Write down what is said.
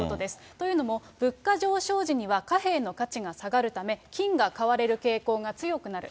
というのも、物価上昇時には貨幣の価値が下がるため、金が買われる傾向が強くなる。